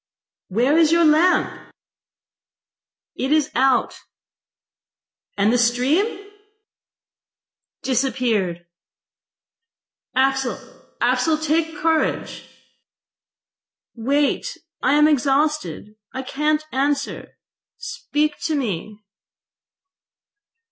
.... "Where is your lamp?" .... "It is out." .... "And the stream?" .... "Disappeared." .... "Axel, Axel, take courage!" .... "Wait! I am exhausted! I can't answer. Speak to me!"